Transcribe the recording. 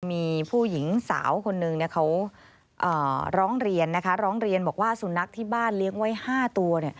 มีผู้หญิงสาวคนนึงเขาร้องเรียนนะคะร้องเรียนบอกว่าสุนัขที่บ้านเลี้ยงไว้๕ตัว